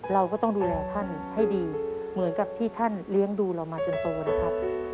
เราก็ต้องดูแลท่านให้ดีเหมือนกับที่ท่านเลี้ยงดูเรามาจนโตนะครับ